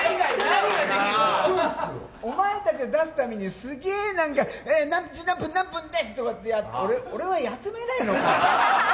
お前たちを出すために、すげえなんか、何時何分、何分ですって、俺は休めないのか？